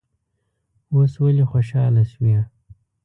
اوس ولې خوشاله شوې.